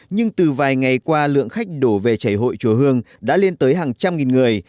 nhưng từ vài ngày qua lượng khách đổ về chảy hội chùa hương đã lên tới hàng trăm nghìn người